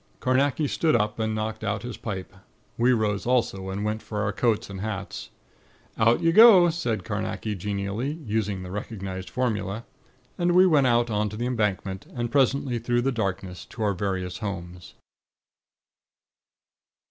Carnacki stood up, and knocked out his pipe. We rose also, and went for our coats and hats. "Out you go!" said Carnacki, genially, using the recognized formula. And we went out on to the Embankment, and presently through the darkness to our various homes.